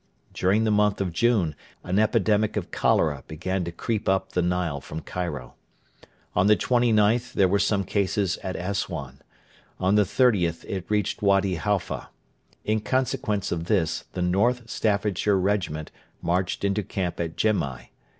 During the month of June an epidemic of cholera began to creep up the Nile from Cairo. On the 29th there were some cases at Assuan. On the 30th it reached Wady Halfa. In consequence of this the North Staffordshire Regiment marched into camp at Gemai.